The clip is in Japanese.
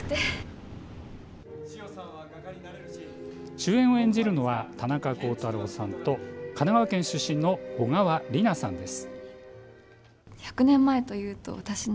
主演を演じるのは田中幸太朗さんと神奈川県出身の小川李奈さんです。